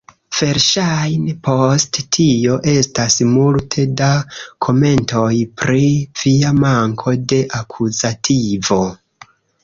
Verŝajne, post tio, estas multe da komentoj pri via manko de akuzativo.